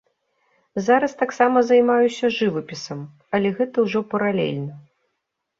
Зараз таксама займаюся жывапісам, але гэта ўжо паралельна.